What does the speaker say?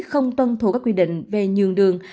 không tuân thủ các quy định về nhường đường